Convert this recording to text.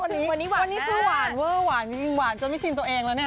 วันนี้หวานวันนี้คือหวานเวอร์หวานจริงหวานจนไม่ชินตัวเองแล้วเนี่ย